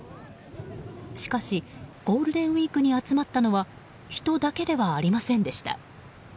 しかし、ゴールデンウィークに集まったのは人だけではありませんでした。